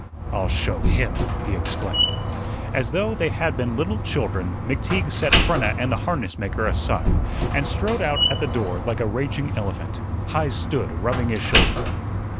"I'll show him," he exclaimed. As though they had been little children, McTeague set Frenna and the harness maker aside, and strode out at the door like a raging elephant. Heise stood rubbing his shoulder.